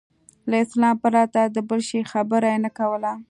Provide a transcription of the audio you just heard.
له اسلام پرته د بل شي خبره یې نه کوله.